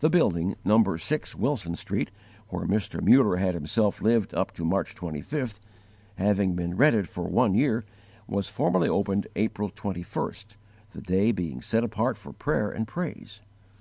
The building, No. 6 Wilson Street, where Mr. Muller had himself lived up to March 25th, having been rented for one year, was formally opened April 21st, the day being set apart for prayer and praise.